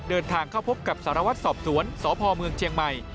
เดินทางเข้าพบกับสารวัตรสอบสวนสพเมืองเชียงใหม่